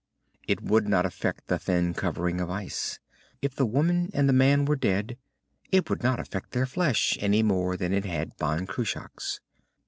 It would not affect the thin covering of ice. If the woman and the man were dead, it would not affect their flesh, any more than it had Ban Cruach's.